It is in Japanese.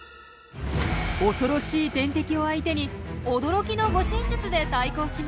怖ろしい天敵を相手に驚きの護身術で対抗します。